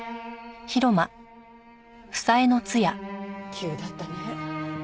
急だったね。